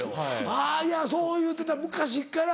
あぁそう言うてた昔っから。